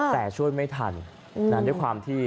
แต่ช่วยไม่ทันด้วยความที่